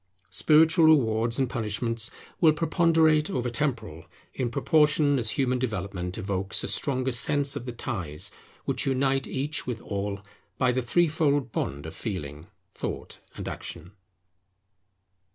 Spiritual rewards and punishments will preponderate over temporal, in proportion as human development evokes a stronger sense of the ties which unite each with all, by the threefold bond of Feeling, Thought, and Action.